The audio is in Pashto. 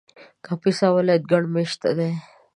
کاپیسا ولایت ګڼ مېشته دی